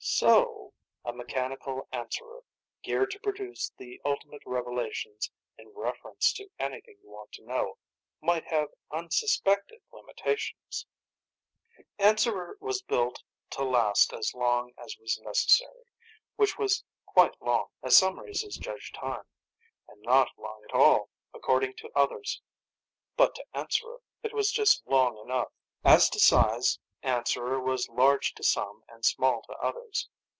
So ... a mechanical answerer, geared to produce the ultimate revelations in reference to anything you want to know, might have unsuspected limitations._ Ask A Foolish Question by ROBERT SHECKLEY Answerer was built to last as long as was necessary which was quite long, as some races judge time, and not long at all, according to others. But to Answerer, it was just long enough. As to size, Answerer was large to some and small to others.